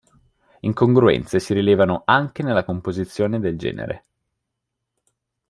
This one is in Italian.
Incongruenze si rilevano anche nella composizione del genere.